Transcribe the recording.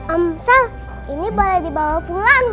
om sal ini boleh dibawa pulang